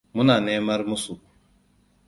Muna nemar musu.